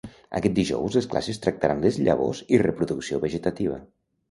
Aquest dijous les classes tractaran les llavors i reproducció vegetativa.